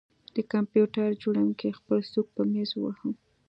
د کمپیوټر جوړونکي خپل سوک په میز وواهه